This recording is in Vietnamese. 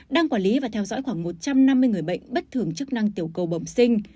đang quản lý và theo dõi khoảng một trăm năm mươi người bệnh bất thường chức năng tiểu cầu bẩm sinh